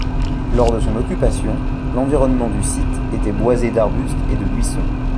Lors de son occupation, l'environnement du site était boisé d'arbustes et de buissons.